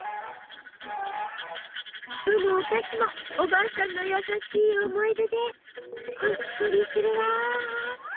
どのお菓子もおばあさんの優しい思い出でほっこりするわ！